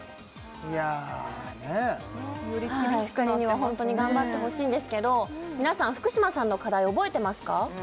はい２人には本当に頑張ってほしいんですけど皆さん福嶌さんの課題覚えてますか？